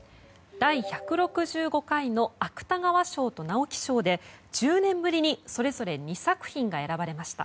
第１６５回の芥川賞と直木賞で１０年ぶりにそれぞれ２作品が選ばれました。